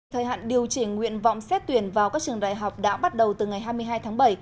thời hạn điều chỉnh nguyện vọng xét tuyển vào các trường đại học đã bắt đầu từ ngày hai mươi hai tháng bảy